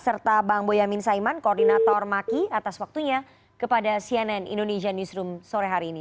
serta bang boyamin saiman koordinator maki atas waktunya kepada cnn indonesia newsroom sore hari ini